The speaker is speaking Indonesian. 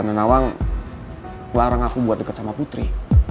tanda nawang larang aku buat deket sama putri